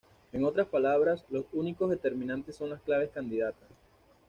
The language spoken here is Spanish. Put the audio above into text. En otras palabras, los únicos determinantes son las claves candidatas.